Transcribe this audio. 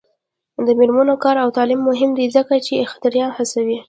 د میرمنو کار او تعلیم مهم دی ځکه چې اختراع هڅوي.